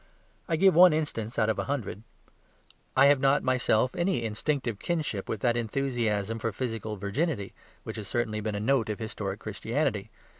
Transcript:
I give one instance out of a hundred; I have not myself any instinctive kinship with that enthusiasm for physical virginity, which has certainly been a note of historic Christianity.